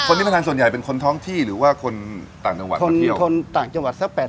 ที่มาทานส่วนใหญ่เป็นคนท้องที่หรือว่าคนต่างจังหวัดคนเดียวคนต่างจังหวัดสัก๘๐